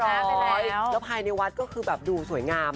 แล้วภายในวัดก็คือแบบดูสวยงาม